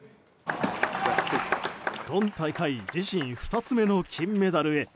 今大会自身２つ目の金メダルへ。